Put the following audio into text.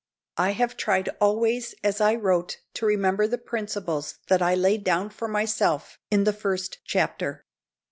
I have tried always as I wrote to remember the principles that I laid down for myself in the first chapter.